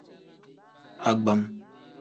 Agbam.